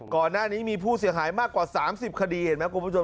ก่อนหน้านี้มีผู้เสียหายมากกว่า๓๐คดีเห็นไหมคุณผู้ชม